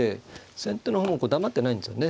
先手の方も黙ってないんですよね。